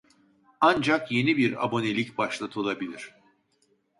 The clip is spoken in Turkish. Ancak yeni bir abonelik başlatılabilir